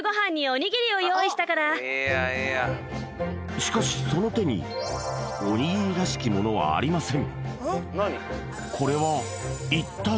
しかしその手におにぎりらしき物はありません